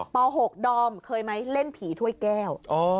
ป๖ดอมเคยไหมเล่นผีถ้วยแก้ว